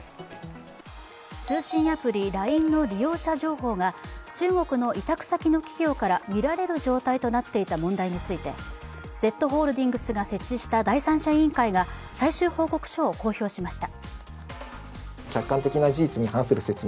通信アプリＬＩＮＥの利用者情報が中国の委託先の企業から見られる状態になっていた問題についてＺホールディングスが設置した第三者委員会が最終報告書を公表しました。